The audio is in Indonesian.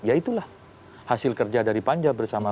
ya itulah hasil kerja dari panja bersama